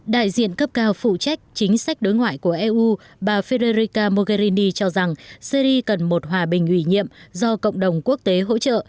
đại diện cấp cao phụ trách chính sách đối ngoại của eu bà federica mogherini cho rằng syri cần một hòa bình ủy nhiệm do cộng đồng quốc tế hỗ trợ